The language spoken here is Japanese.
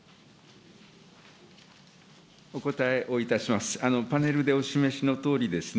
お答えをいたします。